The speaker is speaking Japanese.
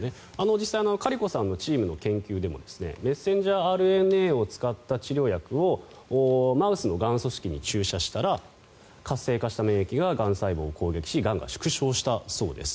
実際、カリコさんのチームの研究でもメッセンジャーＲＮＡを使った治療薬をマウスのがん組織に注射したら活性化した免疫ががん細胞を攻撃しがんが縮小したそうです。